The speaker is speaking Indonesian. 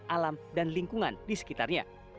alam dan lingkungan di sekitarnya